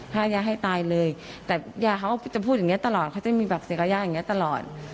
ถ้ายาให้ตายเลยแต่ยาเขาจะพูดอย่างนี้ตลอดเขาจะมีแบบเสียกับย่าอย่างนี้ตลอด